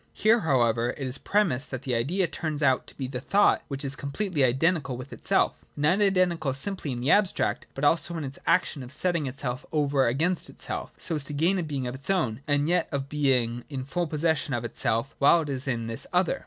Here however it is premised that the Idea turns out to be the thought which is completely identical with itself, and not identical simply in the abstract, but also in its action of setting itself over against itself, so as to gain a being of its own, and yet of being in full possession of itself while it is in this other.